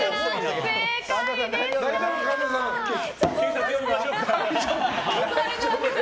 警察呼びましょうか？